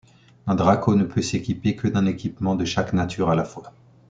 Un Drako ne peut s'équiper que d'un Équipement de chaque nature à la fois.